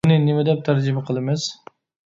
بۇنى نېمە دەپ تەرجىمە قىلىمىز؟